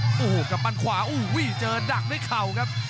โอ้โหกำปั้นขวาโอ้โหเจอดักด้วยเข่าครับ